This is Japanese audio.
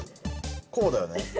こうだよね？